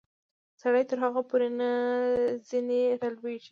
سړی تر هغو پورې نه ځینې رالویږي.